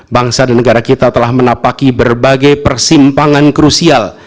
bangsa dan negara kita telah menapaki berbagai persimpangan krusial